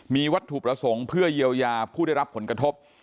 มีวัตถุประสงค์เพื่อเยียวยาผู้ได้รับผลกระทบ